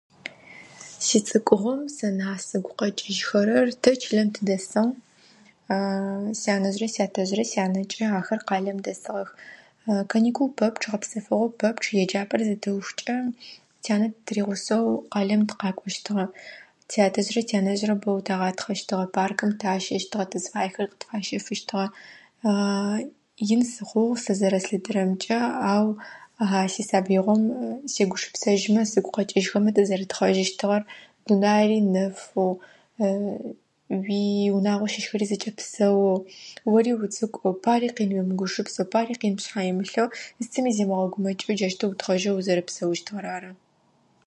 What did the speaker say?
Сицӏыкӏугъом сэ нахь сыгу къэкӏыжьхэрэр. Тэ чылэм тыдэсыгъ. Сянэжърэ сятэжърэ сянэкӏэ ахэр къалэм дэсыгъэх. Каникул пэпчъ, гъэпсэфыгъо пэпчъ еджапӏэр зытыухыкӏэ тянэ тыригъусэу къалэм тыкъакӏощтыгъэ. Тятэжърэ тянэжърэ бэу тагъатхъэщтыгъэ: паркым тащэщтыгъэ, тызфаехэр къытфащэфыщтыгъэ. Ин сыхъугъ сэ зэрэслъытэрэмкӏэ, ау а сисабыигъом сегушыпсэжьмэ сыгу къэкӏыжьыхэмэ тызэрэтхъэжьыщтыгъэр дунаири нэфэу уиунагъо щыщхэрэ зэкӏэри псэоу, ори уцӏыкӏоу, пари къин уемыгупшысэу, пари къин пшъхьа имылъэу зыцыми зимыгъэгумэкӏэу джащтэу утхъэжьэу узэрэпсэущтыгъэр ары.